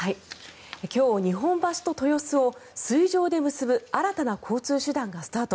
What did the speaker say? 今日、日本橋と豊洲を水上で結ぶ新たな交通手段がスタート。